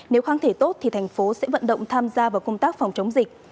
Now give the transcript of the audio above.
nếu kháng thể tốt thì tp hcm sẽ vận động tham gia vào công tác phòng chống dịch